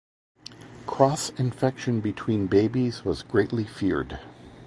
Cross-infection between babies was greatly feared.